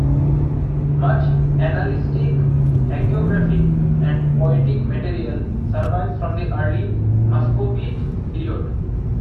Much annalistic, hagiographic, and poetic material survives from the early Muscovite period.